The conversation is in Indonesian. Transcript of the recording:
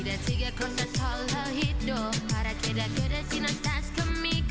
yang nomor tujuh gaada karena dia nursing